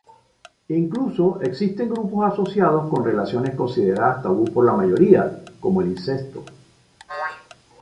Incluso existen grupos asociados con relaciones consideradas tabú por la mayoría, como el incesto.